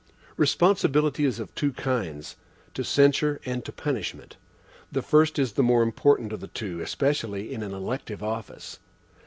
Responsibility is of two kinds to censure and to punishment. The first is the more important of the two, especially in an elective office.